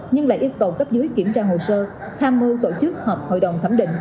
nhưng lại yêu cầu cấp dưới kiểm tra hồ sơ tham mưu tổ chức họp hội đồng thẩm định